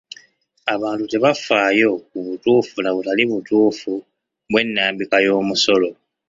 Abantu tebafaayo ku butuufu n'obutali butuufu bw'ennambika y'omusolo.